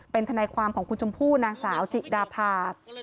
เป็นทนายความของคุณชมพู่นางสาวจิดาพา